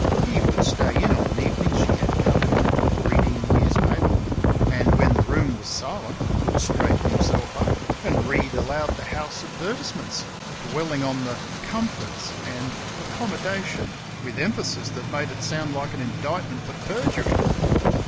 He would stay in on evenings she had company, reading the newspaper; and when the room was silent would straighten himself up and read aloud the house advertisements, dwelling on the "comforts" and "accommodation" with emphasis that made it sound like an indictment for perjury.